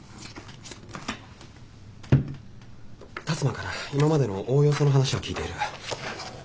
辰馬から今までのおおよその話は聞いている。